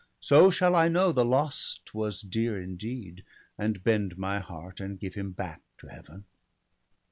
So shall I know the lost was dear indeed. And bend my heart, and give him back to Heaven.'